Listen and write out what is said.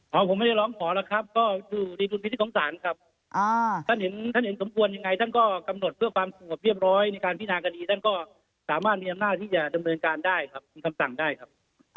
ผมไม่ได้ร้องขอแล้วครับก็อยู่ในดุลพินิษฐของศาลครับท่านเห็นท่านเห็นสมควรยังไงท่านก็กำหนดเพื่อความสงบเรียบร้อยในการพินาคดีท่านก็สามารถมีอำนาจที่จะดำเนินการได้ครับมีคำสั่งได้ครับ